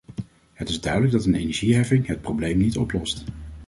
Het is duidelijk dat een energieheffing het probleem niet oplost.